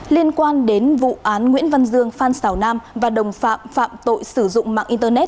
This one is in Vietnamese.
liên quan đến vụ án nguyễn văn dương phan xào nam và đồng phạm phạm tội sử dụng mạng internet